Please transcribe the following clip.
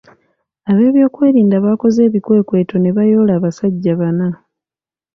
Ab’ebyokwerinda baakoze ebikwekweto ne bayoola abasajja bana.